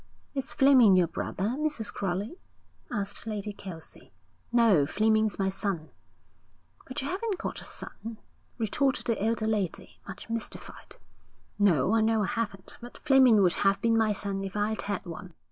'Is Fleming your brother, Mrs. Crowley?' asked Lady Kelsey. 'No, Fleming's my son.' 'But you haven't got a son,' retorted the elder lady, much mystified. 'No, I know I haven't; but Fleming would have been my son if I'd had one.'